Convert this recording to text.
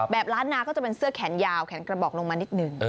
ล้านนาก็จะเป็นเสื้อแขนยาวแขนกระบอกลงมานิดหนึ่ง